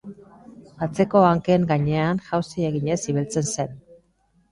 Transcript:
Atzeko hanken gainean jauzi eginez ibiltzen zen.